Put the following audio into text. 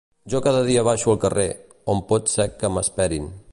Jo cada dia baixo al carrer, on pot ser que m’esperin.